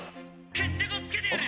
決着をつけてやる！」